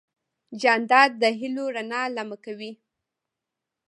جانداد د هېلو رڼا لمع کوي.